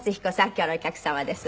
今日のお客様です。